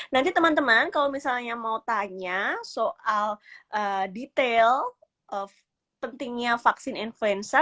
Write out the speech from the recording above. nanti teman teman kalau misalnya mau tanya soal detail pentingnya vaksin influenza